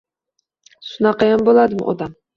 Shunaqayam bo`ladimi odam